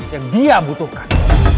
yang dia butuhkan